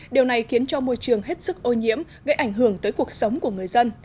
điều này khiến cho môi trường hết sức ô nhiễm gây ảnh hưởng tới cuộc sống của người dân